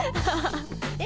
え